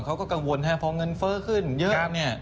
เพราะว่าเมื่อเงินเฟ้อขึ้นเยอะ